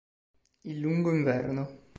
Il lungo inverno